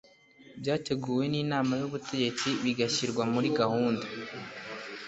byateguwe n inama y ubutegetsi bigashyirwa muri gahunda